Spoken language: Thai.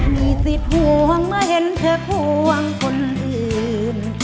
มีสิทธิ์ห่วงเมื่อเห็นเธอควงคนอื่น